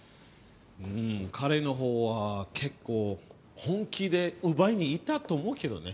彼の方は結構本気で奪いにいったと思うけどね。